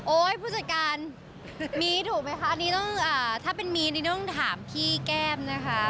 ผู้จัดการมีถูกไหมคะอันนี้ต้องถ้าเป็นมีนี่ต้องถามพี่แก้มนะคะ